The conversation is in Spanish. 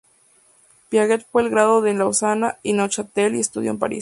Piaget fue el grado en Lausana y Neuchâtel y estudió en París.